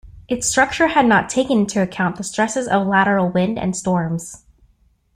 Its structure had not taken into account the stresses of lateral wind and storms.